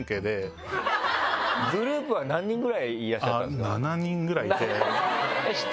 グループは何人ぐらいいらっしゃったんですか？